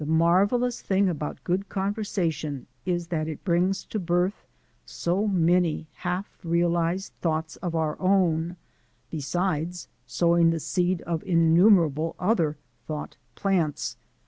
The marvellous thing about good conversation is that it brings to birth so many half realized thoughts of our own besides sowing the seed of innumerable other thought plants.